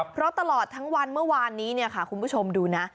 เพราะตลอดทั้งวันเมื่อวานนี้คุณผู้ชมดูนะ